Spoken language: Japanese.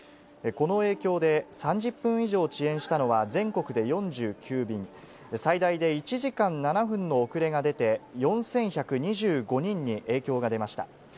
この影響で、３０分以上遅延したのは、全国で４９便、最大で１時間７分の遅れが出て、４１２５人に影響が出ました。